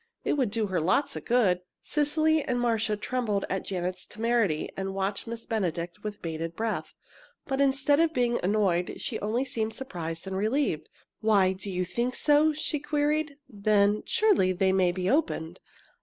It would do her lots of good." Cecily and Marcia trembled at Janet's temerity and watched Miss Benedict with bated breath. But instead of being annoyed, she only seemed surprised and relieved. "Why, do you think so?" she queried. "Then surely they may be opened.